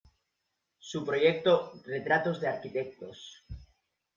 Su proyecto "Retratos de arquitectos.